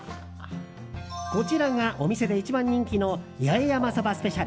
こちらがお店で一番人気の八重山そばスペシャル。